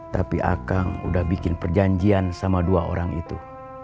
tapi akang udah bikin perjanjian sama dua orang itu